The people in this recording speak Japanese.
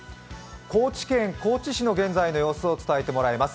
高知県高知市の現在の様子を伝えてもらいます。